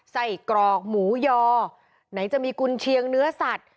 กรอกหมูยอไหนจะมีกุญเชียงเนื้อสัตว์